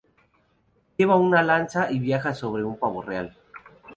Lleva una lanza y viaja sobre un pavo real.